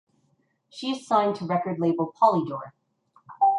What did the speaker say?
She is signed to record label Polydor.